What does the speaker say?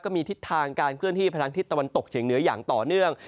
มีทิศทางการเคลื่อนที่พลังทิศตะวันตกเฉียงเหนืออย่างต่อเนื่อง